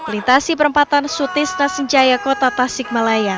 lintasi perempatan sutis nasinjaya kota tasik malaya